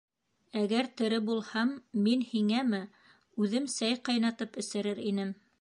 Әгәр тере булһам, мин һиңәме... үҙем сәй ҡайнатып эсерер инем!